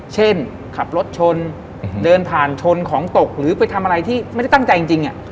เช่นขับรถชนเดินผ่านชนของตกหรือไปทำอะไรที่ไม่ได้ตั้งใจจริง